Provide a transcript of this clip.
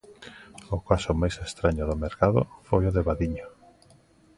O caso máis estraño do mercado foi o de Vadillo.